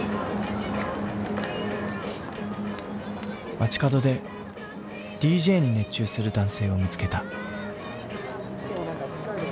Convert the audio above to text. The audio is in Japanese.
街角でＤＪに熱中する男性を見つけた。